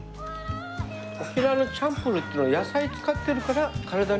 沖縄のチャンプルーっていうのは野菜使ってるから体にいいんですよ。